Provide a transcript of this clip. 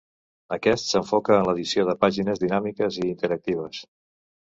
Aquest s'enfoca en l'edició de pàgines dinàmiques i interactives.